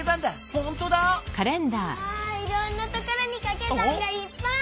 ほんとだ！わいろんなところにかけ算がいっぱい！